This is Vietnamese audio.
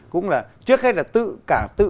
cũng là trước hết là tự